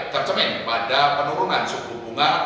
tercemin pada penurunan suku bunga